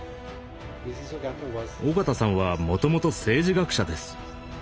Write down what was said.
緒方さんはもともと政治学者です。